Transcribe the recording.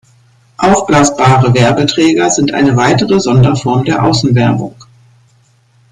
Aufblasbare Werbeträger sind eine weitere Sonderform der Außenwerbung.